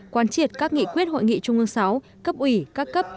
quan triệt các nghị quyết hội nghị trung ương sáu cấp ủy các cấp